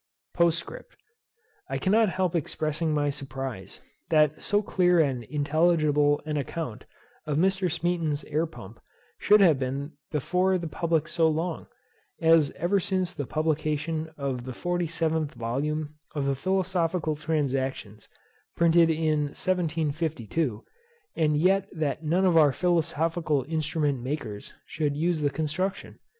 POSTSCRIPT. I cannot help expressing my surprize, that so clear and intelligible an account, of Mr. SMEATON'S air pump, should have been before the public so long, as ever since the publication of the forty seventh volume of the Philosophical Transactions, printed in 1752, and yet that none of our philosophical instrument makers should use the construction.